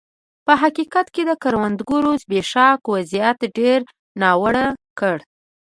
په حقیقت کې د کروندګرو زبېښاک وضعیت ډېر ناوړه کړ.